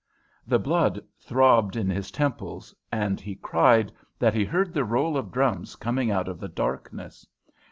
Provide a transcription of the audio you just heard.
The blood throbbed in his temples, and he cried that he heard the roll of drums coming out of the darkness.